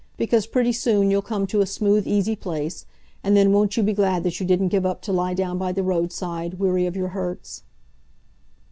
Because pretty soon you'll come to a smooth easy place, and then won't you be glad that you didn't give up to lie down by the roadside, weary of your hurts?"